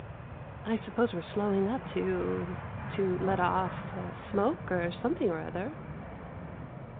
I suppose we 're slowing up to — to let off — smoke, or something or other.